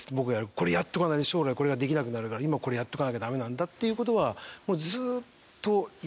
「これやっとかないと将来これができなくなるから今これやっとかなきゃダメなんだ」っていう事は。